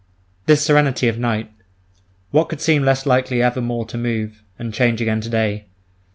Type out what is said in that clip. ... This serenity of night! What could seem less likely ever more to move, and change again to day?